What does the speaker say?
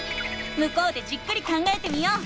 向こうでじっくり考えてみよう。